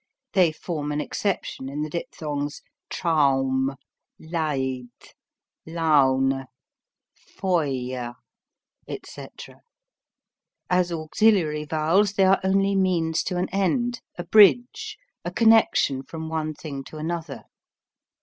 (They form an exception in the diphthongs, "Trauuum," "Leiiid," "Lauuune," "Feuyer," etc.) As auxiliary vowels they are only means to an end, a bridge, a connection from one thing to another.